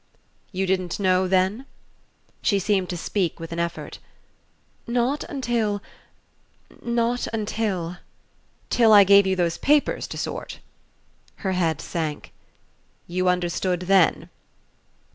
"You didn't know then?" She seemed to speak with an effort. "Not until not until " "Till I gave you those papers to sort?" Her head sank. "You understood then?"